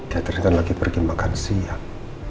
teter kan lagi pergi makan siang